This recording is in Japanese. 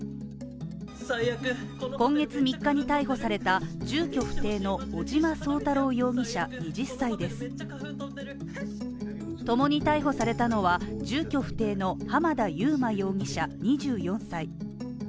今月３日に逮捕された住居不定の尾島壮太郎容疑者２０才ですともに逮捕されたのは住居不定の濱田佑摩容疑者２４歳。